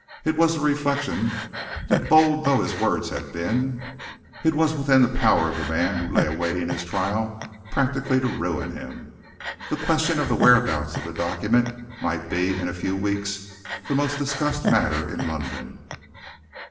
It was the reflection that bold though his words had been, it was within the power of the man who lay awaiting his trial practically to ruin him. The question of the whereabouts of the document might be, in a few weeks, the most discussed matter in London.